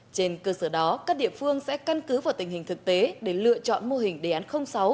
trên cơ sở đó các địa phương sẽ căn cứ vào tình hình thực tế để lựa chọn mô hình đề án sáu